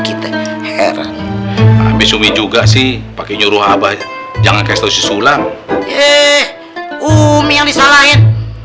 kita heran abis umi juga sih pakai nyuruh abah jangan kasih tau si sulam eh umi yang disalahin